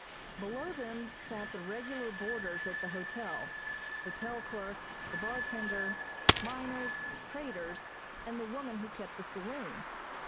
Below them sat the regular boarders at the hotel, hotel clerk, the bartender, miners, traders and the woman who kept the saloon.